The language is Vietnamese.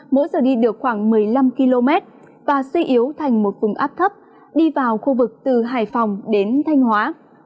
mỗi giờ đi được khoảng một mươi năm km và suy yếu thành một vùng áp thấp đi vào khu vực từ hải phòng đến thanh hóa